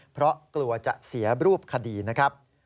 เพราะกลัวจะเสียรูปคดีนะครับ